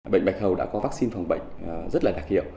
bệnh bạch hầu đã có vaccine phòng bệnh rất là đặc hiệu